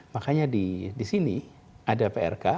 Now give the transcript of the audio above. makanya disini ada prk